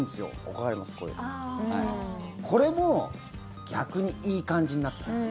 これも逆にいい感じになってきます。